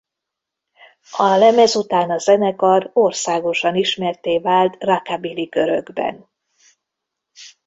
A lemez után a zenekar országosan ismertté vált rockabilly körökben.